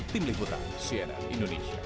tim liputan syedna indonesia